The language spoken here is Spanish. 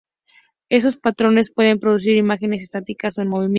Estos patrones pueden producir imágenes estáticas o en movimiento.